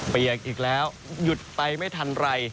เปียกอีกแล้วหยุดไปไม่ทันไร